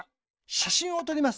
しゃしんをとります。